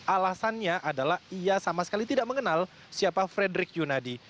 alasannya adalah ia sama sekali tidak mengenal siapa frederick yunadi